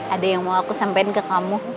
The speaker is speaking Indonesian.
ada yang mau aku sampein ke kamu